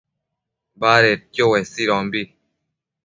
badedquio uesuidombi